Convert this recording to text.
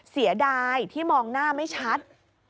เสียดายที่มองหน้าไม่ชัด